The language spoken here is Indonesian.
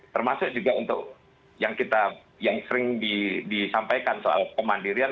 termasuk juga untuk yang kita yang sering disampaikan soal pemandirian